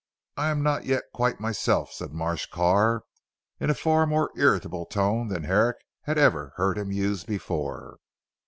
"I am not yet quite myself," said Marsh Carr in a far more irritable tone than Herrick had ever heard him use before.